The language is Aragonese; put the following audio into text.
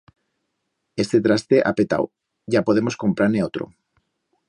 Este traste ha petau, ya podemos comprar-ne otro.